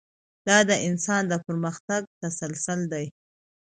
دا د انسان د پرمختګ تسلسل دی.